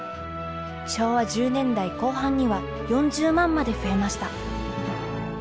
昭和１０年代後半には４０万まで増えました。